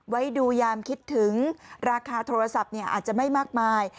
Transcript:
ไว้ดูยามคิดถึงราคาโทรศัพท์อาจจะไม่มากมาย